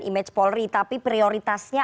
image polri tapi prioritasnya